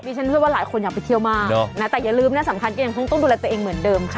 ฉันเชื่อว่าหลายคนอยากไปเที่ยวมากนะแต่อย่าลืมนะสำคัญก็ยังคงต้องดูแลตัวเองเหมือนเดิมค่ะ